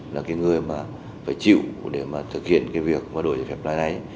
là cái người mà phải chịu để mà thực hiện cái việc và đổi giải phép lấy xe này